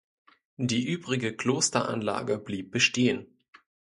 Die übrige Klosteranlage blieb bestehen.